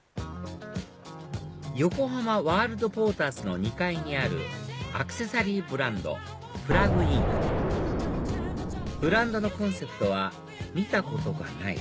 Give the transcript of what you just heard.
横浜ワールドポーターズの２階にあるアクセサリーブランドＰＬＵＧＩＮブランドのコンセプトは「見たことがない！